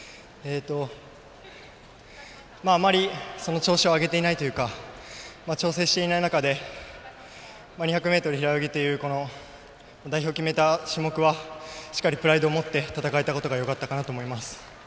あまり調子を上げていないというか調整していない中で２００ｍ平泳ぎというこの代表を決めた種目はしっかりプライドを持って戦えたことがよかったかなと思います。